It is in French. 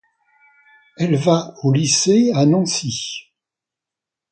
Elle va au lycée à Nancy.